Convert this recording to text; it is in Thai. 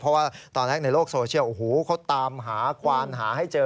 เพราะว่าตอนแรกในโลกโซเชียลโอ้โหเขาตามหาควานหาให้เจอ